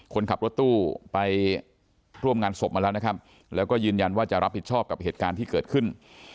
คนขับรถตู้ไปร่วมงานศพมาแล้วนะครับแล้วก็ยืนยันว่าจะรับผิดชอบกับเหตุการณ์ที่เกิดขึ้น